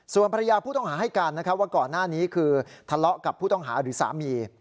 ส่วนภรรยาผู้ต้องหาให้การนะครับว่าก่อนหน้านี้คือทะเลาะกับผู้ต้องหาหรือสามี